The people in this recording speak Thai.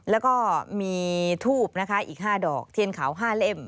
แล้วก็มีทูบนะคะอีก๕ดอกเทียนขาว๕เล่ม